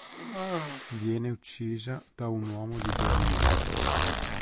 Viene uccisa da un uomo di Berlino.